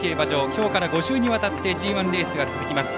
きょうから５週にわたってＧＩレースが続きます。